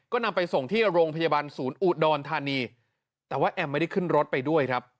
ก็นำไปส่งที่โรงพยาบาลศูนย์อุดรธานีแต่ว่าแอมไม่ได้ขึ้นรถไปด้วยครับ